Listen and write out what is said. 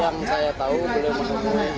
yang saya tahu beliau menemukan itu